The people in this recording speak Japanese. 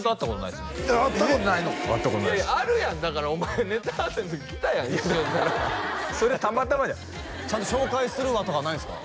いやいやあるやんだからお前ネタ合わせの時来たやん一瞬なそれたまたまじゃんちゃんと紹介するわとかないんすか？